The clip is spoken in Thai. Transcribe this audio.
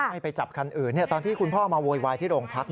ให้ไปจับคันอื่นตอนที่คุณพ่อมาโวยวายที่โรงพัก